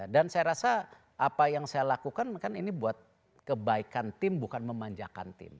dan saya rasa apa yang saya lakukan kan ini buat kebaikan tim bukan memanjakan tim